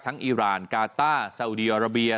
ทั้งอิราณการ์ต้าสาวเดียอราเบีย